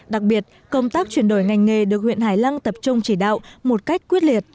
đặc biệt công tác chuyển đổi ngành nghề được huyện hải lăng tập trung chỉ đạo một cách quyết liệt